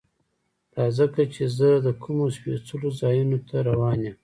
دا ځکه چې زه د کومو سپېڅلو ځایونو ته روان یم.